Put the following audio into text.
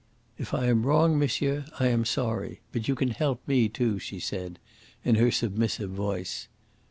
"If I am wrong, monsieur, I am sorry, but you can help me too," she said, in her submissive voice.